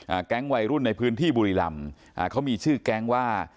แก๊งวัยรุ่นในพื้นที่บุรีรำอ่าเขามีชื่อแก๊งว่า